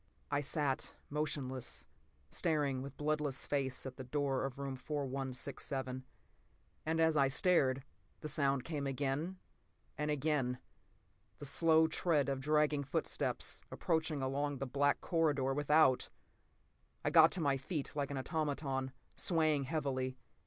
I sat motionless, staring with bloodless face at the door of room 4167. And as I stared, the sound came again, and again—the slow tread of dragging footsteps, approaching along the black corridor without! I got to my feet like an automaton, swaying heavily.